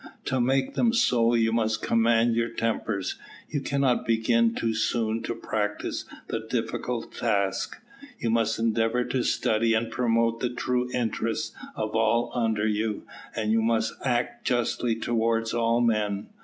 To make them so, you must command your tempers (you cannot begin too soon to practise the difficult task), you must endeavour to study and promote the true interests of all under you, and you must act justly towards all men.